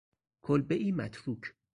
کلبهای متروک